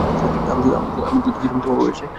আমি যুদ্ধে ছিলাম তোমার বয়সে?